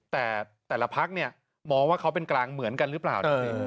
แต่แต่ละพักเนี่ยมองว่าเขาเป็นกลางเหมือนกันหรือเปล่า